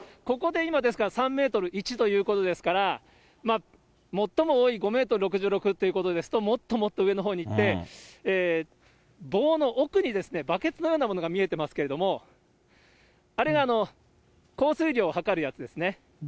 ここで今、ですから、３メートル１ということですから、最も多い５メートル６６ということですと、もっともっと上のほうに行って、棒の奥にバケツのようなものが見えてますけれども、あれが降水量を測るやつですね。